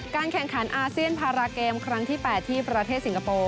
แข่งขันอาเซียนพาราเกมครั้งที่๘ที่ประเทศสิงคโปร์